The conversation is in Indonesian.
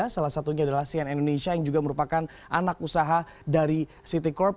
salah satunya adalah cn indonesia yang juga merupakan anak usaha dari city corp